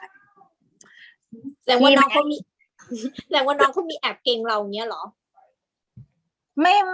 แหล่งว่าน้องเค้ามีแอบเก่งเหล่านี้หรอ